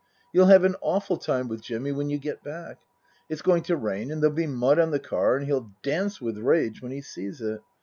You'll have an awful time with Jimmy when you get back. It's going to rain, and there'll be mud on the car, and he'll dance with rage when he sees it.